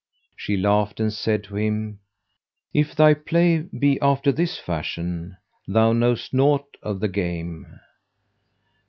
She laughed and said to him, "If thy play be after this fashion, thou knowest naught of the game."